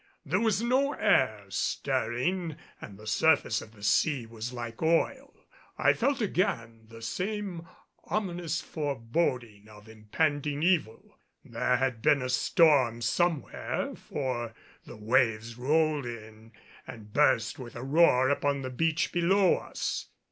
There was no air stirring and the surface of the sea was like oil, I felt again the same ominous foreboding of impending evil. There had been a storm somewhere, for the waves rolled in and burst with a roar upon the beach below us.